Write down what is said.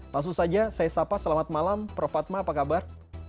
langsung saja saya sapa selamat malam prof fatma apa kabar